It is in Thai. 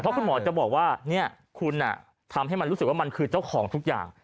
คุณหมอจะบอกว่าคุณทำให้มันรู้สึกว่ามันคือเจ้าของทุกอย่าง